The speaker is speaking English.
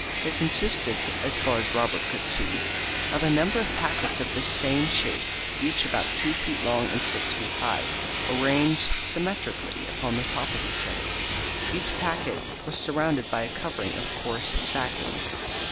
They consisted, as far as Robert could see, of a number of packets of the same shape, each about two feet long and six inches high, arranged symmetrically upon the top of each other. Each packet was surrounded by a covering of coarse sacking.